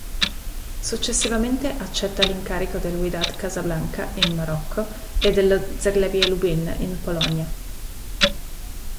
Successivamente accetta l'incarico del Wydad Casablanca, in Marocco, e dello Zagłębie Lubin, in Polonia.